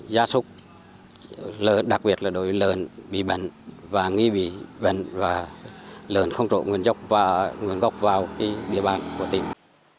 gia súc đặc biệt là đối với lợn bị bệnh và nghi bị bệnh và lợn không trộn nguồn gốc vào địa bàn của tỉnh